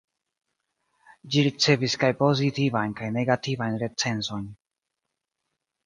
Ĝi ricevis kaj pozitivajn kaj negativajn recenzojn.